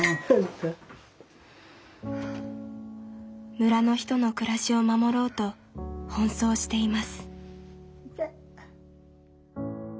村の人の暮らしを守ろうと奔走しています。